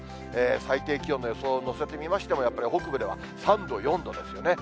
最低気温の予想をのせてみましても、やっぱり北部では３度、４度ですよね。